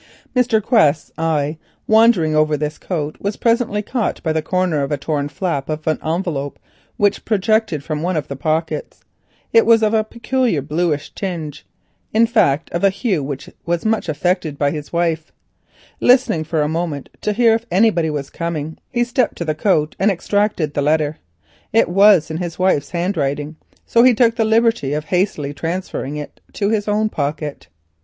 Mr. Quest's eye wandering over this coat, was presently caught by the corner of a torn flap of an envelope which projected from one of the pockets. It was of a peculiar bluish tinge, in fact of a hue much affected by his wife. Listening for a moment to hear if anybody was coming, he stepped to the coat and extracted the letter. It was in his wife's handwriting, so he took the liberty of hastily transferring it to his own pocket.